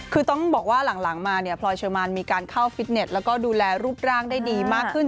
คือต้องบอกว่าหลังมาเนี่ยพลอยเชอร์มานมีการเข้าฟิตเน็ตแล้วก็ดูแลรูปร่างได้ดีมากขึ้น